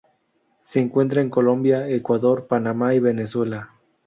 Se encuentra en Colombia, Ecuador, Panamá y Venezuela.